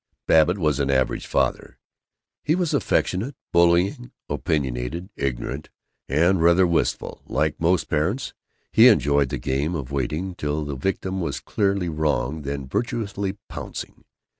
Babbitt was an average father. He was affectionate, bullying, opinionated, ignorant, and rather wistful. Like most parents, he enjoyed the game of waiting till the victim was clearly wrong, then virtuously pouncing.